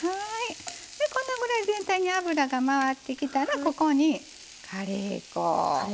このぐらい全体に油が回ってきたらここにカレー粉。